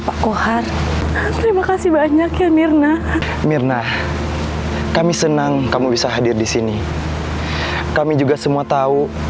pak kohar terima kasih banyak ya mirna mirna kami senang kamu bisa hadir di sini kami juga semua tahu